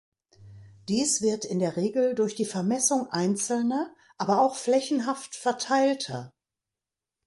Dies wird in der Regel durch die Vermessung einzelner, aber auch flächenhaft verteilter.